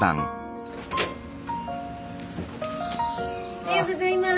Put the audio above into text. おはようございます。